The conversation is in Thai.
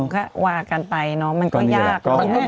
ก็ว่ากันไปเนาะมันก็ยาก